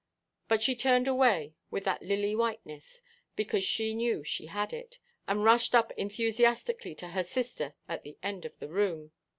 But she turned away, with that lily–whiteness, because she knew she had it, and rushed up enthusiastically to her sister at the end of the room.